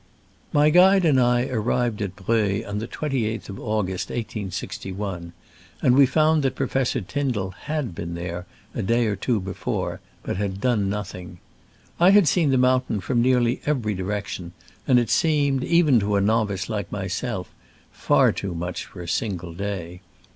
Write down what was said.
My guide and I arrived at Breuil on the 28th of August, 1 861, and we found that Professor Tyndall had been there a day or two before, but had done noth ing. I had seen the mountain from nearly every direction, and it seemed, even to a novice like myself, far too much for a single day.